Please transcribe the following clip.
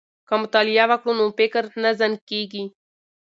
که مطالعه وکړو نو فکر نه زنګ کیږي.